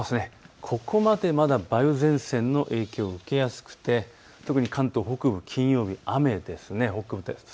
ここまで梅雨前線の影響を受けやすくて特に関東北部、金曜日雨です。